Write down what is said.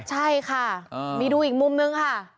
ใช่ค่ะมีดูอีกมุมนึงค่ะ